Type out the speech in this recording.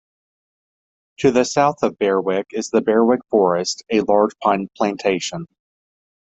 To the south of Berwick is the Berwick Forest, a large pine plantation.